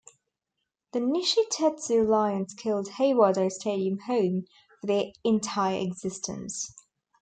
The Nishitetsu Lions called Heiwadai Stadium home for their entire existence.